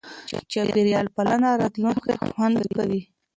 چاپېریال پالنه راتلونکی خوندي کوي.